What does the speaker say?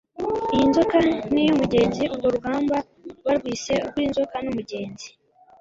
iy'inzoka n'iy'umugenzi, urwo rugamba barwise urw'inzoka n'umugenzi